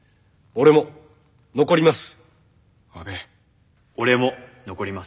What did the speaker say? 俺も残ります。